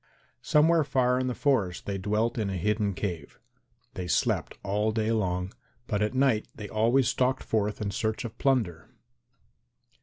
Somewhere far in the forest they dwelt in a hidden cave; they slept all day long, but at night they always stalked forth in search of plunder.